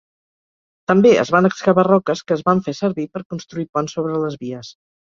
També es van excavar roques que es van fer servir per construir ponts sobre les vies.